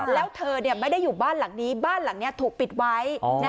แล้วเธอไม่ได้อยู่บ้านหลังนี้บ้านหลังนี้ถูกปิดไว้